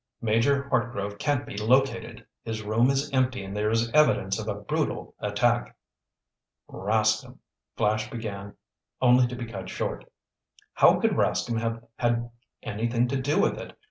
"Major Hartgrove can't be located. His room is empty and there is evidence of a brutal attack!" "Rascomb—" Flash began only to be cut short. "How could Rascomb have had anything to do with it?"